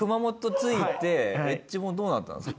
着いてＨ本どうなったんですか？